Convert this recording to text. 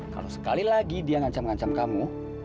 kalau sekali lagi dia ngancam ngancam kamu